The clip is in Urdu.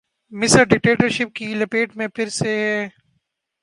مصر ڈکٹیٹرشپ کی لپیٹ میں پھر سے ہے۔